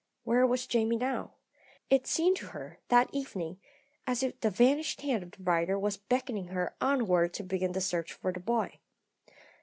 Where was Jamie now? It seemed to her, that evening, as if the vanished hand of the writer were beckoning her onward to begin the search for the boy.